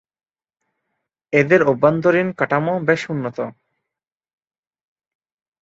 এদের অভ্যন্তরীণ কাঠামো বেশ উন্নত।